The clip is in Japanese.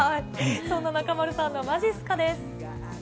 そんな中丸さんのまじっすかです。